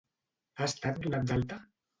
Ha estat donat d'alta?